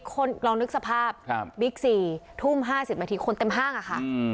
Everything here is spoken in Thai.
คนลองนึกสภาพครับบิ๊กซี่ทุ่มห้าสิบมิถีคนเต็มห้างอ่ะค่ะอืม